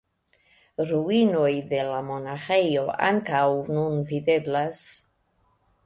Ruinoj de la monaĥejo ankaŭ nun videblas.